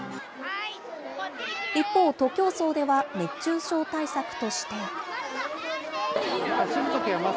一方、徒競走では熱中症対策として。